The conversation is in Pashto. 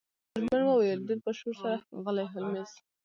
میرمن وویل ډیر په شور سره ښاغلی هولمز